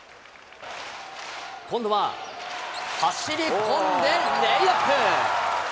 今度は走り込んでレイアップ。